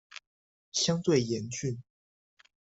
相對嚴峻